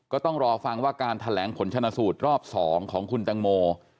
ก็ต้องรอฟังว่าการแถลงผลชนะสูตรรอบ๒ของคุณตังโม